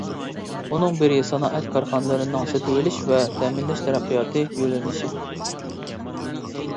ئۇنىڭ بىرى سانائەت كارخانىلىرىنىڭ سېتىۋېلىش ۋە تەمىنلەش تەرەققىياتى يۆلىنىشى.